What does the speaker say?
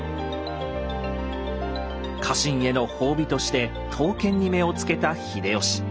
家臣への褒美として刀剣に目をつけた秀吉。